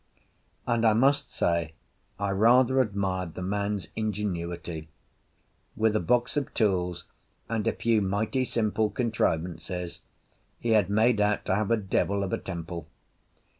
And I must say I rather admired the man's ingenuity. With a box of tools and a few mighty simple contrivances he had made out to have a devil of a temple.